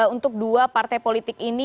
untuk dua partai politik ini